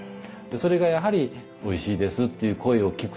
それがやはり「おいしいです」っていう声を聞くとですね